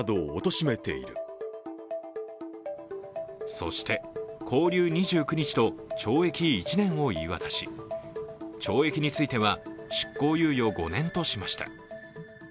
そして、拘留２９日と懲役１年を言い渡し懲役については執行猶予５年としました。